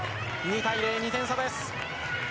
２対０、２点差です。